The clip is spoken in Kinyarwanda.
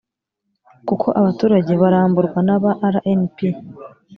kuko abaturage bamburwa na ba rnp